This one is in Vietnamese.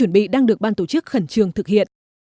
bị đăng được ban tổ chức khẩn trường thực hiện